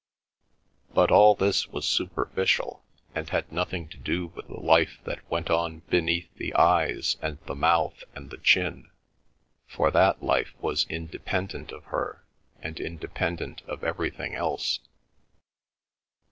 But all this was superficial, and had nothing to do with the life that went on beneath the eyes and the mouth and the chin, for that life was independent of her, and independent of everything else.